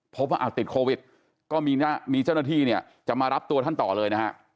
พบว่าอาจติดโควิดก็มีเจ้าหน้าที่จะมารับตัวท่านต่อเลย